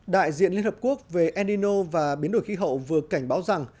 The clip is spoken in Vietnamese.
đại diện liên hợp quốc về enino và biến đổi khí hậu vừa cảnh báo rằng